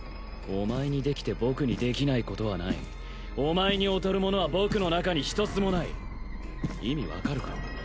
お前にできて僕にできないことはないお前に劣るものは僕の中に一つもない意味分かるか？